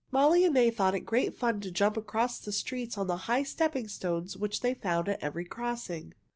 Molly and May thought it great fun to jump across the streets on the high stepping stones which they found at every crossing.